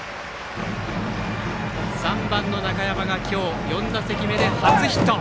３番の中山が今日、４打席目で初ヒット。